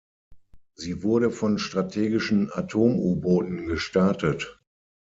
Sie wurde von strategischen Atom-U-Booten gestartet.